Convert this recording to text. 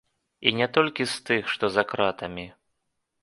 І не толькі з тых, што за кратамі.